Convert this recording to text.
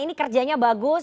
ini kerjanya bagus